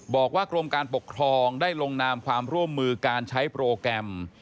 บอกว่ากรมการปกครองได้ลงนามความร่วมมือการใช้โปรแกรม